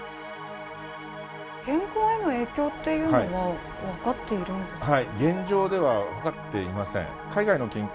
健康への影響っていうのはわかっているんですか？